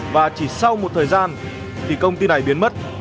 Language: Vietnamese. và chỉ sau một thời gian thì công ty này biến mất